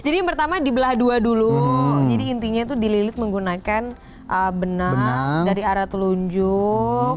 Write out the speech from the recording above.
jadi pertama dibelah dua dulu jadi intinya itu dililit menggunakan benang dari arah telunjuk